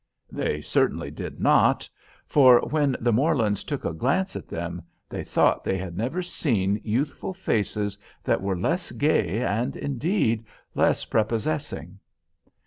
They certainly did not! for when the Morlands took a glance at them, they thought they had never seen youthful faces that were less gay, and indeed less prepossessing.